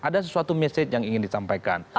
ada sesuatu message yang ingin disampaikan